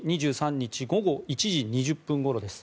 ２３日午後１時２０分ごろです。